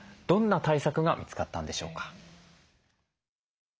どんな対策が見つかったんでしょうか。